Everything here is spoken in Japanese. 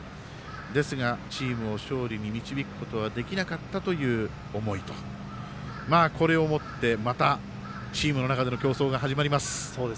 ですが、チームを勝利に導くことができなかった思いとこれをもってまたチームの中での競争が始まります。